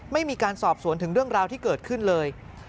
ไม่มีการสอบสวนถึงเรื่องราวที่เกิดขึ้นเลย